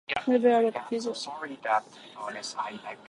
Several of these drivers can be chained together in order.